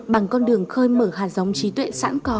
bằng con đường khơi mở hạt giống trí tuệ sẵn có